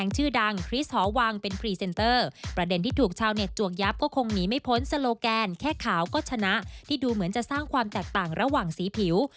ชาวเน็ตจวกยับก็คงหนีไม่พ้นสโลแกนแค่ขาวก็ชนะที่ดูเหมือนจะสร้างความแตกต่างระหว่างสีผิว